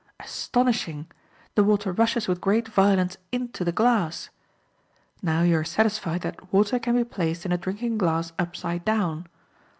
Astonishing! the water rushes with great violence into the glass! Now you are satisfied that water can be placed in a drinking glass upside down.